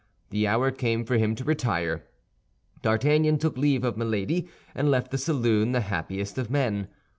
The hour came for him to retire. D'Artagnan took leave of Milady, and left the saloon the happiest of men.